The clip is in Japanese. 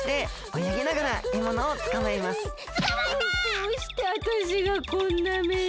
どうしてあたしがこんなめに。